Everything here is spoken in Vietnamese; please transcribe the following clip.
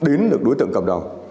là phải đến được đối tượng cầm đầu